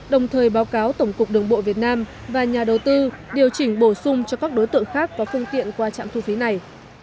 đồng thời báo cáo tổng cục đường bộ việt nam và nhà đầu tư điều chỉnh bổ sung cho các đối tượng khác có phương tiện qua trạm thu phí này